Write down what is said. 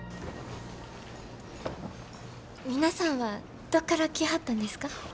皆さんはどっから来はったんですか？